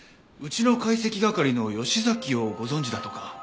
うちの解析係の吉崎をご存じだとか。